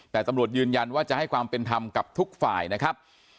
แต่ตำรวจยืนยันว่าจะให้ความเป็นธรรมกับทุกฝ่ายนะครับ